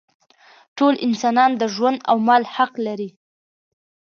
ټول انسانان د ژوند او مال حق لري.